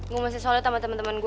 gue masih solid sama temen temen gue